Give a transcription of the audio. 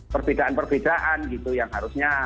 perbedaan perbedaan gitu yang harusnya